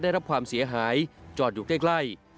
ได้รับความเสียหายจอดอยู่ใกล้